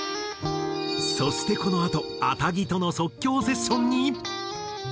そしてこのあとａｔａｇｉとの即興セッションに。